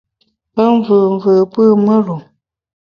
Pe mvùùmvù po mùr-u.